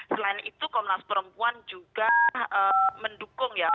selain itu komnas perempuan juga mendukung ya